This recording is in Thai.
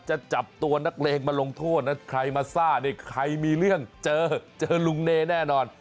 จะจับตัวนักเลงมาลงโทษนะใครมาซ่าเนี่ยใครมีเรื่องเจอเจอลุงเน่แน่นอน